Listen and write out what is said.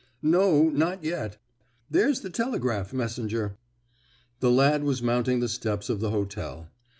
"No, not yet. There's the telegraph messenger." The lad was mounting the steps of the hotel.